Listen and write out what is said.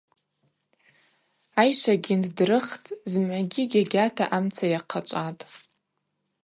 Айшвагьи нддрыххтӏ, зымгӏвагьи гьагьата амца йахъачӏватӏ.